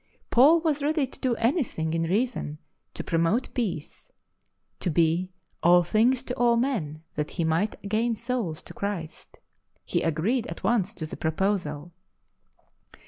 Paul was ready to do anything in reason to promote peace ; to be " all things to all men, that he might gain souls to Christ "; he agreed at once to the proposal.